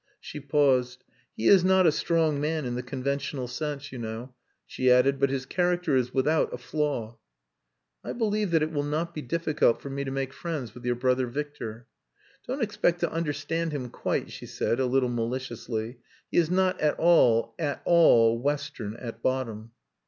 She paused. "He is not a strong man in the conventional sense, you know," she added. "But his character is without a flaw." "I believe that it will not be difficult for me to make friends with your brother Victor." "Don't expect to understand him quite," she said, a little maliciously. "He is not at all at all western at bottom."